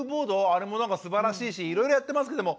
あれもすばらしいしいろいろやってますけども。